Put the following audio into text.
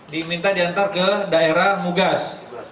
diminta diantar ke daerah mugas